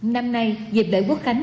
năm nay dịp lễ quốc khánh